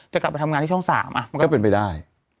จะกลับไปทำงานที่ช่อง๓มันก็เป็นไปได้